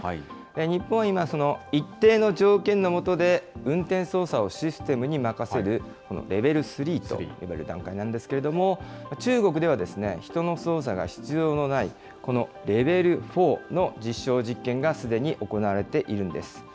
日本は今、一定の条件のもとで、運転操作をシステムに任せる、このレベル３といわれる段階なんですけれども、中国では、人の操作が必要のない、このレベル４の実証実験がすでに行われているんです。